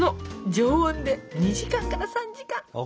常温で２時間から３時間。ＯＫ。